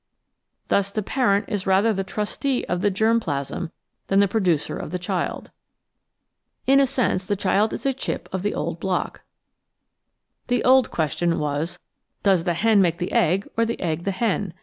Thus the parent is rather the trustee of the germ plasm than the producer of the child. In a new sense the child is a chip of the old block. The old question was: Does the hen make the egg, or the egg the hen?